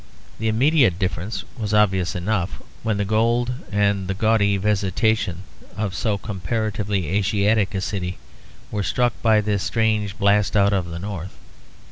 The immediate difference was obvious enough when the gold and the gaudy vegetation of so comparatively Asiatic a city were struck by this strange blast out of the North.